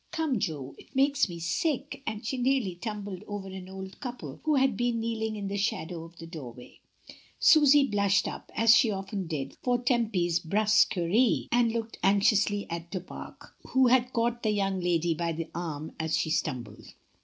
"Come, Jo, it makes me sick," and she nearly tumbled over an old couple who had been kneeling in the shadow of the door way. Susy blushed up, as she often did, for Tempy's hrusquerity and looked anxiously at Du Pare, who had caught the young lady by the arm as she stumbled.